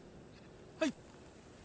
はい。